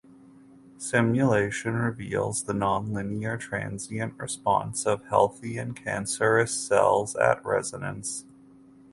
Simulation reveals the nonlinear transient response of healthy and cancerous cells at resonance.